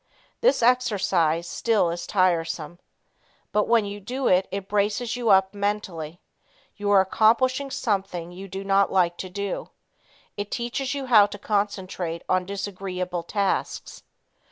This exercise still is tiresome. But when you do it, it braces you up mentally. You are accomplishing something you do not like to do. It teaches you how to concentrate on disagreeable tasks.